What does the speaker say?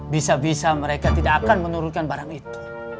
bisa bisa mereka tidak akan menurunkan barang itu